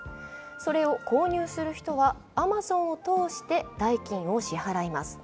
それを購入する人はアマゾンを通して代金を支払います。